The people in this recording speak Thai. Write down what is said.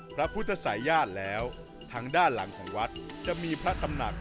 พระพุทธศัยญาติแล้วทางด้านหลังของวัดจะมีพระตำหนัก